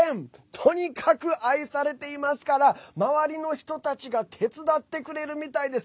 とにかく愛されていますから周りの人たちが手伝ってくれるみたいです。